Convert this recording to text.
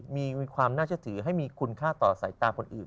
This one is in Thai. มีความน่าเชื่อถือให้มีคุณค่าต่อสายตาคนอื่น